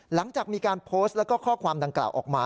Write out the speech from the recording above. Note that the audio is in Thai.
หลังจากมีการโพสต์แล้วก็ข้อความดังกล่าวออกมา